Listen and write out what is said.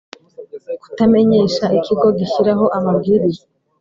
Kutamenyesha Ikigo gishyiraho amabwiriza